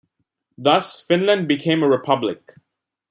Thus, Finland became a republic.